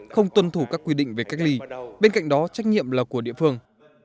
không tuân thủ các quy định về cách ly bên cạnh đó trách nhiệm là của địa phương